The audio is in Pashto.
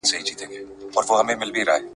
ځکه تاته په قسمت لیکلی اور دی !.